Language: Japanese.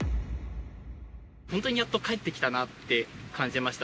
本当にやっと帰ってきたなって感じました。